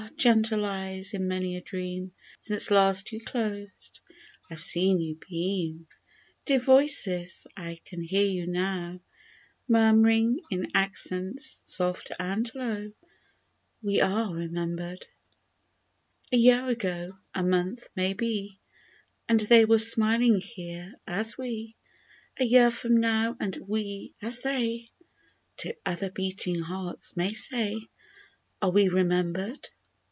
gentle eyes ! in many a dream Since last you closed, I've seen you beam ! Dear voices ! I can hear you now Murm'ring in accents soft and low, " We are remembered I " A year ago — a month, may be — And they were smiling here, as we ; A year from now, and we, as they, To other beating hearts may say, "Are we remembered?" ^^ Are we remembered